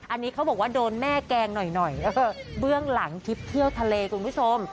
อันนี้เขาบอกว่าโดนแม่แกล้งหน่อยเบื้องหลังทริปเที่ยวทะเลคุณผู้ชม